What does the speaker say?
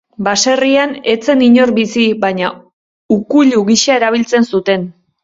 Baserrian ez zen inor bizi, baina ukuilu gisa erabiltzen zuten.